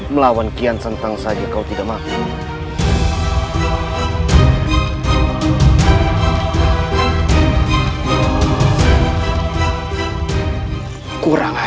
melawan kian sentang saja kau tidak makan